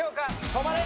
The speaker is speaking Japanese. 止まれ！